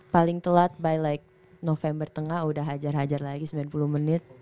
paling telat by like november tengah udah hajar hajar lagi sembilan puluh menit